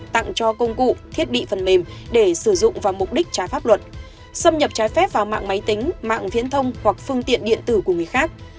tặng cho công cụ thiết bị phần mềm để sử dụng vào mục đích trái pháp luật xâm nhập trái phép vào mạng máy tính mạng viễn thông hoặc phương tiện điện tử của người khác